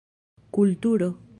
kulturo